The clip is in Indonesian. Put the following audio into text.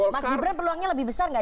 mas gibran peluangnya lebih besar nggak